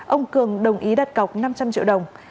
ông cường đồng ý đặt cọc năm trăm linh triệu đồng